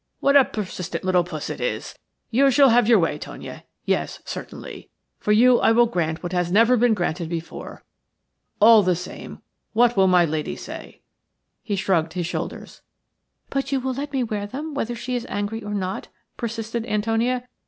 What a persistent little puss it is! You shall have your way, Tonia – yes, certainly. For you I will grant what has never been granted before. All the same, what will my lady say?" He shrugged his shoulders. "But you will let me wear them whether she is angry or not?" persisted Antonia.